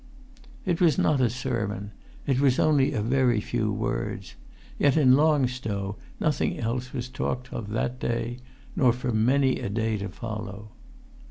It was not a sermon; it was only a very few words. Yet in Long Stow nothing else was talked of that day, nor for many a day to follow.